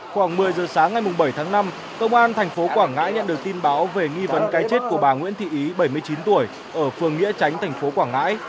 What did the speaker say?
khoảng một mươi giờ sáng ngày bảy tháng năm công an thành phố quảng ngãi nhận được tin báo về nghi vấn cái chết của bà nguyễn thị ý bảy mươi chín tuổi ở phường nghĩa tránh thành phố quảng ngãi